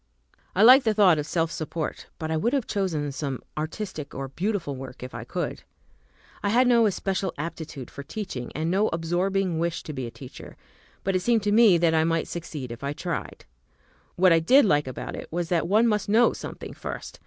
I liked the thought of self support, but I would have chosen some artistic or beautiful work if I could. I had no especial aptitude for teaching, and no absorbing wish to be a teacher, but it seemed to me that I might succeed if I tried. What I did like about it was that one must know something first.